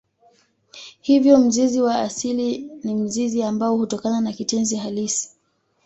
Hivyo mzizi wa asili ni mzizi ambao hutokana na kitenzi halisi.